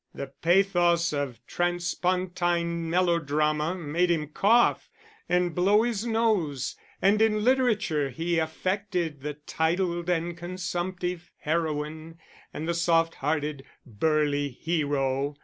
The pathos of transpontine melodrama made him cough, and blow his nose; and in literature he affected the titled and consumptive heroine, and the soft hearted, burly hero.